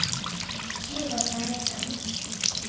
圭吾と会えたの。